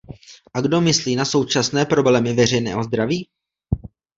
A kdo myslí na současné problémy veřejného zdraví?